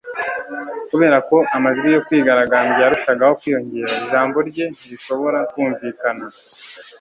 Kubera ko amajwi yo kwigaragambya yarushagaho kwiyongera ijambo rye ntirishobora kumvikana